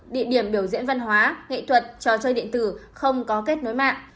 địa điểm biểu diễn văn hóa nghệ thuật trò chơi điện tử không có kết nối mạng